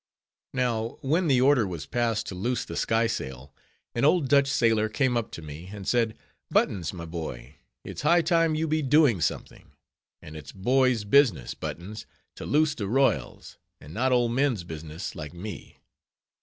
_ Now, when the order was passed to loose the skysail, an old Dutch sailor came up to me, and said, "Buttons, my boy, it's high time you be doing something; and it's boy's business, Buttons, to loose de royals, and not old men's business, like me.